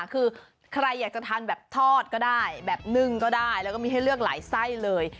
คือใครอยากจะทานแบบทอดก็ได้แบบนึ่งก็ได้แล้วก็มีให้เลือกหลายไส้เลย